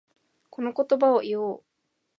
この言葉を言おう。